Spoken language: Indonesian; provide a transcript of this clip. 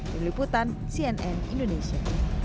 meliputan cnn indonesia